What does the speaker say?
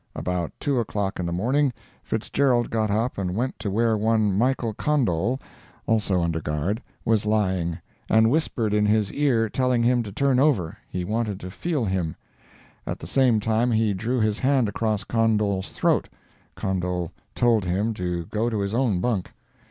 About two o'clock in the morning, Fitzgerald got up and went to where one Michael Condol (also under guard) was lying, and whispered in his ear, telling him to turn over, he wanted to feel him; at the same time, he drew his hand across Condol's throat. Condol told him to go to his own bunk.